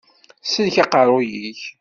Sellek aqeṛṛuy-ik!